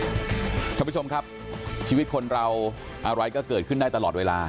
คุณผู้ชมครับชีวิตคนเราอะไรก็เกิดขึ้นได้ตลอดเวลา